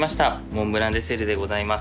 モンブランデセルでございます。